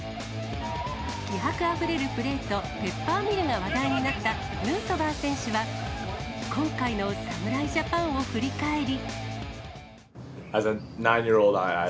気迫あふれるプレーと、ペッパーミルが話題になったヌートバー選手は、今回の侍ジャパンを振り返り。